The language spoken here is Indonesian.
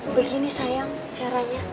begini sayang caranya